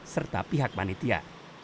serta pihak manitia